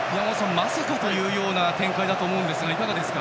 まさかというような展開だと思いますがいかがですか？